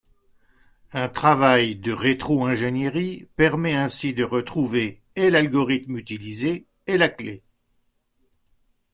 Un travail de rétro-ingénierie permet ainsi de retrouver et l’algorithme utilisé, et la clef.